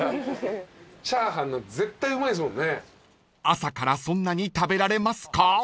［朝からそんなに食べられますか？］